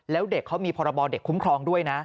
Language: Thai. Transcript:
แล้วเด็กเขามีพรบเด็กคุ้มครองด้วยนะ